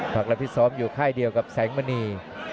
หลักและพิซ้อมอยู่ค่ายเดียวกับแสงมณี